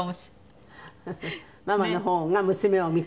ママの方が娘を見て？